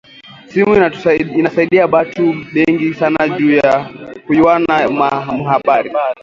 Simu inasaidia batu bengi sana juya kuyuwana ma habari